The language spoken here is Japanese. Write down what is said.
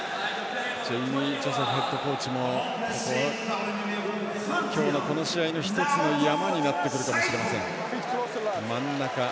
ジェイミー・ジョセフヘッドコーチも今日の、この試合の１つの山になってくるかもしれません。